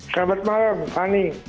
selamat malam ani